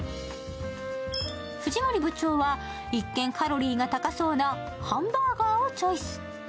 藤森部長は一見、カロリーが高そうなハンバーガーをチョイス。